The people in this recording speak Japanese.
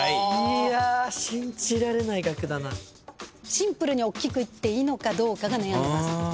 シンプルにおっきくいっていいのかどうかが悩んでます。